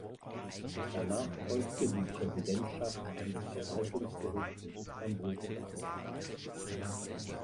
Danach folgte die Präsidentschaft an den Verwaltungsgerichten Istanbul und Ankara.